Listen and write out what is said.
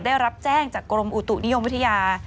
ได้รับแจ้งจากกรมอุตุนิยมวิทยา